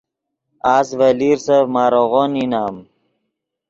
اس ڤے لیرسف ماریغو نینم